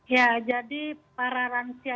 ya jadi para lansia